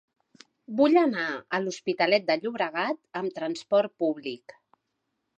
Vull anar a l'Hospitalet de Llobregat amb trasport públic.